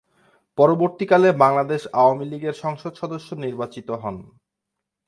পরবর্তী কালে বাংলাদেশ আওয়ামী লীগের সংসদ সদস্য নির্বাচিত হন।